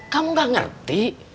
kamu gak ngerti